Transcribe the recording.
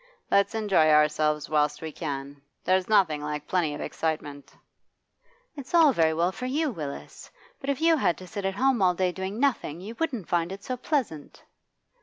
Let's enjoy ourselves whilst we can. There's nothing like plenty of excitement.' 'It's all very well for you, Willis. But if you had to sit at home all day doing nothing, you wouldn't find it so pleasant.